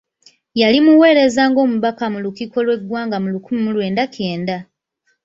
Yali mu buweereza ng'omubaka mu lukiiko lw'eggwanga mu lukimi mu lwenda kyenda.